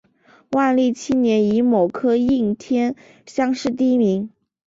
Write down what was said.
万历七年己卯科应天乡试第一名。